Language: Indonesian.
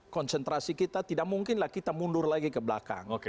konsentrasi kita tidak mungkinlah kita mundur lagi ke belakang